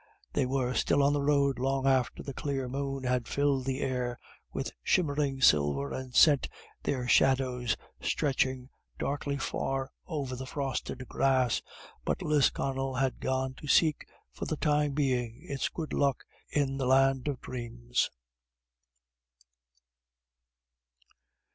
They were still on the road long after the clear moon had filled the air with shimmering silver, and sent their shadows stretching darkly far over the frosted grass. But Lisconnel had gone to seek, for the time being, its good luck in the land of dreams.